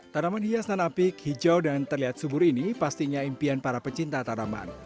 tanaman hias tanapik hijau dan terlihat subur ini pastinya impian para pecinta tanaman